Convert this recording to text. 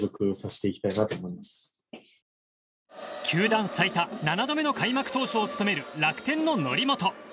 球団最多７度目の開幕投手を務める楽天の則本。